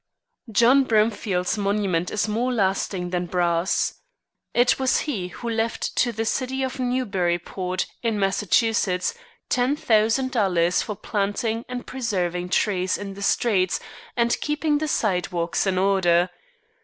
John Bromfield's monument is more lasting than brass. It was he who left to the city of Newburyport, in Massachusetts, ten thousand dollars for planting and preserving trees in the streets, and keeping the sidewalks in order.